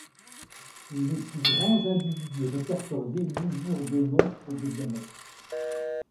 Les plus grands individus répertoriés mesurent de long pour de diamètre.